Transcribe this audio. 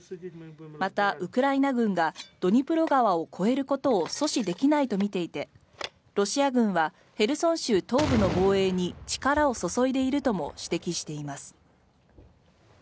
また、ウクライナ軍がドニプロ川を越えることを阻止できないとみていてロシア軍はヘルソン州東部の防衛に力を注いでいるとも指摘しています。